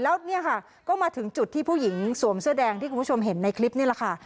แล้วเนี่ยค่ะก็มาถึงจุดที่ผู้หญิงสวมเสื้อแดงที่คุณผู้ชมเห็นในคลิปนี่แหละค่ะ